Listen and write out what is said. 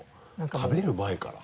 食べる前から。